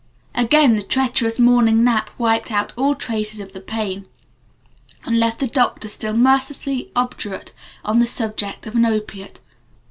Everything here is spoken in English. Again the treacherous Morning Nap wiped out all traces of the pain and left the doctor still mercilessly obdurate on the subject of an opiate.